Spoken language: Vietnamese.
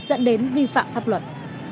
dẫn đến vi phạm pháp luật